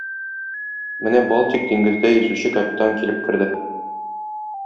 Менә Балтик диңгездә йөзүче капитан килеп керде.